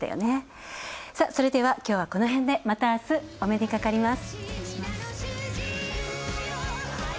それでは、きょうは、この辺でまた、あす、お目にかかります。